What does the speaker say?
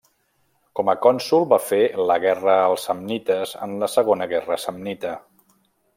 Com a cònsol va fer la guerra als samnites en la Segona Guerra Samnita.